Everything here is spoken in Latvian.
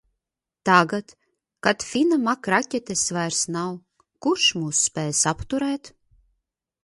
Tagad, kad Fina Makraķetes vairs nav, kurš mūs spēs apturēt?